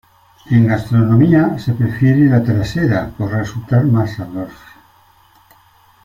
En gastronomía, se prefiere la trasera por resultar más sabrosa.